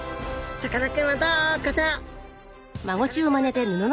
さかなクンはどこだ？